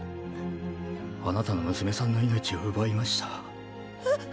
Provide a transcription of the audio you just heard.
あなたの娘さんの命を奪いました。！！